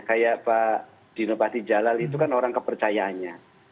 kayak pak dino fahdi jalal itu kan orang kepercayaannya